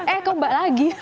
eh kok mbak lagi